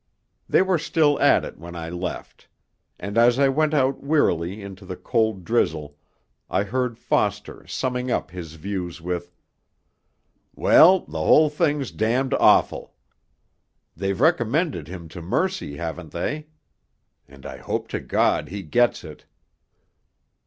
They were still at it when I left. And as I went out wearily into the cold drizzle I heard Foster summing up his views with: 'Well, the whole thing's damned awful. They've recommended him to mercy, haven't they? and I hope to God he gets it.'